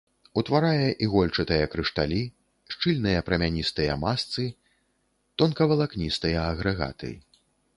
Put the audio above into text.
Утварае ігольчатыя крышталі, шчыльныя прамяністыя масцы, тонкавалакністыя агрэгаты.